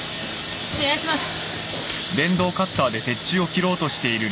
お願いします。